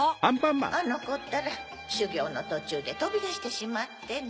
あのコったらしゅぎょうのとちゅうでとびだしてしまってね。